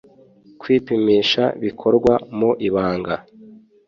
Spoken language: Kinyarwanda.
kwipimisha bikorwa mu ibanga